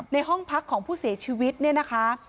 ในห้องพักของผู้เสียชีวิตเนี่ยนะคะ